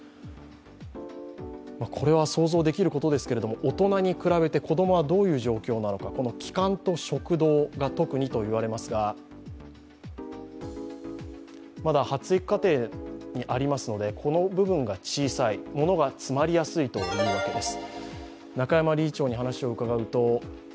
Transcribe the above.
これは想像できることですけれども大人に比べて子供はどういう状況なのか、気管と食道が特にといわれますが、発育過程にありますので、この部分が小さい、物が詰まりやすいということです。